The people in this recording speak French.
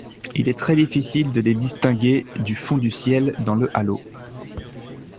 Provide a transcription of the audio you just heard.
Il est très difficile de les distinguer du fond du ciel dans le halo.